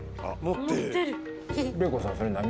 玲子さんそれ何？